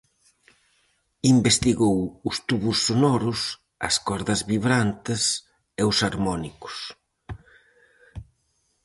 Investigou os tubos sonoros, as cordas vibrantes e os harmónicos.